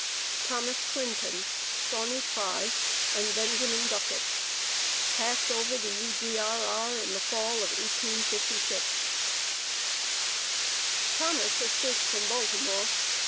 THOMAS CLINTON, SAUNEY PRY AND BENJAMIN DUCKET. PASSED OVER THE U.G.R.R., IN THE FALL OF 1856. Thomas escaped from Baltimore.